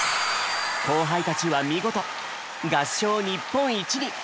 後輩たちは見事合唱日本一に！